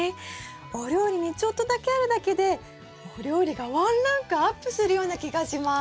お料理にちょっとだけあるだけでお料理がワンランクアップするような気がします。